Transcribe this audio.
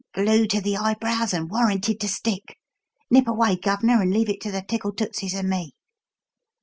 "Glue to the eyebrows and warranted to stick! Nip away, Gov'nor, and leave it to the tickle tootsies and me!"